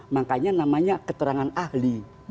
makanya namanya keterangan ahli